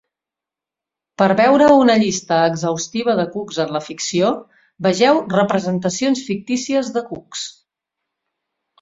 Per veure una llista exhaustiva de cucs en la ficció, vegeu Representacions fictícies de cucs.